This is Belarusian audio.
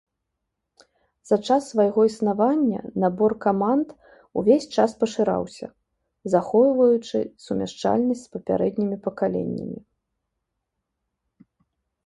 За час свайго існавання набор каманд увесь час пашыраўся, захоўваючы сумяшчальнасць з папярэднімі пакаленнямі.